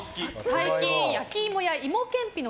最近、焼き芋や芋けんぴの